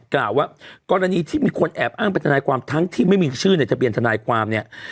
กล่าวว่ากรณีที่มีคนแอบอ้างเป็นทนายความทั้งที่ไม่มีชื่อในทะเบียนทนายความเนี่ย